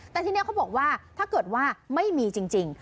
แต่ทีนี้เขาบอกว่าถ้าเกิดว่าไม่มีจริง